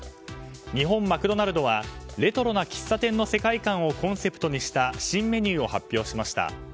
日本マクドナルドはレトロな喫茶店の世界観をコンセプトにした新メニューを発表しました。